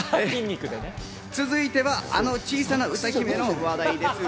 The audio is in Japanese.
続いては、あの小さな歌姫の話題です。